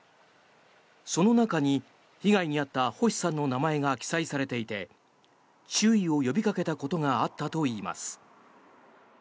その中に、被害に遭った星さんの名前が記載されていて注意を呼びかけたことがあったといいます。